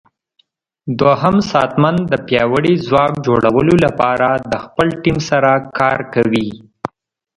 دوهم ساتنمن د پیاوړي ځواک جوړولو لپاره د خپل ټیم سره کار کوي.